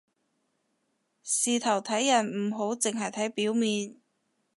事頭睇人唔好淨係睇表面